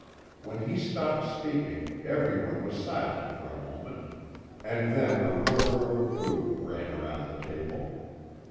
When he stopped speaking every one was silent for a moment, and then a murmur of approval ran round the table.